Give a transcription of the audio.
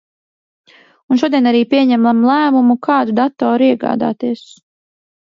Un šodien arī pieņemam lēmumu, kādu datoru iegādāties.